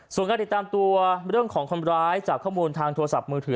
ส่วนการติดตามตัวเรื่องของคนร้ายจากข้อมูลทางโทรศัพท์มือถือ